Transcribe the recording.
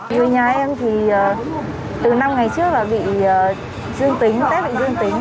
người nhà em thì từ năm ngày trước là bị dương tính ép bị dương tính